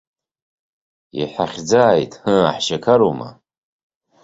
Иҳахьӡааит, ыы, ҳшьақарума?